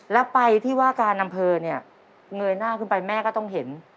แล้วไปที่ว่าการอำเภอเนี่ยเงยหน้าขึ้นไปแม่ก็ต้องเห็น